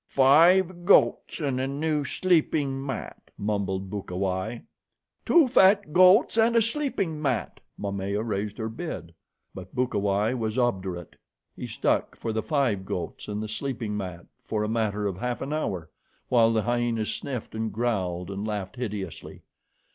"Five goats and a new sleeping mat," mumbled Bukawai. "Two fat goats and a sleeping mat." Momaya raised her bid; but Bukawai was obdurate. He stuck for the five goats and the sleeping mat for a matter of half an hour, while the hyenas sniffed and growled and laughed hideously.